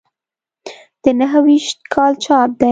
د نهه ویشت کال چاپ دی.